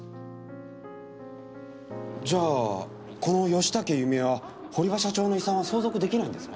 じゃあこの吉竹弓枝は堀場社長の遺産は相続出来ないんですね？